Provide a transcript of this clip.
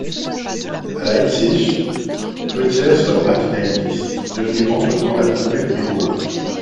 À Leipzig, Coetzer sort Martina Hingis, devenue entretemps la nouvelle numéro un.